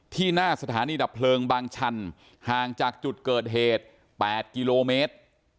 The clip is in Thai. หน้าสถานีดับเพลิงบางชันห่างจากจุดเกิดเหตุ๘กิโลเมตร